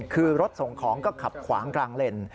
คือรถส่งของก็ขับขวางกลางเลน